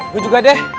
gue juga deh